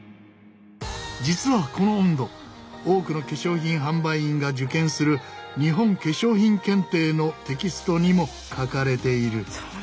実はこの温度多くの化粧品販売員が受験する日本化粧品検定のテキストにも書かれている。